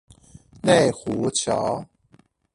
內湖橋